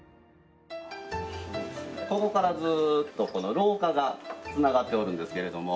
ここからずーっと廊下が繋がっておるんですけれども。